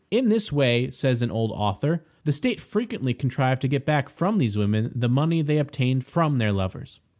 In this way, says an old author, the state frequently contrived to get back from these women the money they obtained from their lovers.